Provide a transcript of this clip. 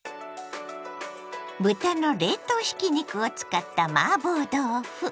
豚の冷凍ひき肉を使ったマーボー豆腐。